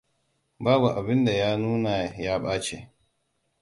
Babu abin da ya nuna ya ɓace.